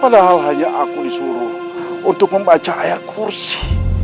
padahal hanya aku disuruh untuk membaca air kursi